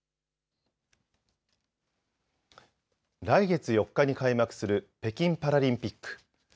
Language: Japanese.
来月４日に開幕する北京パラリンピック。